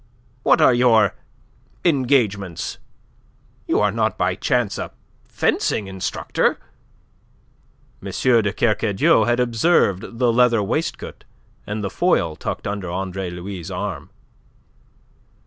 "What are your engagements? You are not by chance a fencing instructor?" M. de Kercadiou had observed the leather waistcoat and the foil tucked under Andre Louis' arm.